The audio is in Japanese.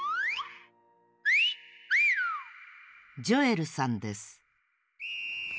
ジョエルさんです。